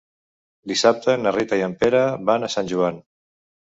Dissabte na Rita i en Pere van a Sant Joan.